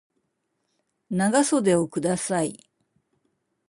長袖をください